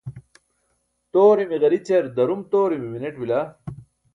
toorimi ġarićar darum toorimi mineṭ bila